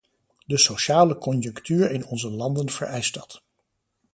De sociale conjunctuur in onze landen vereist dat.